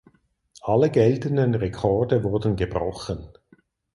Alle geltenden Rekorde wurden gebrochen.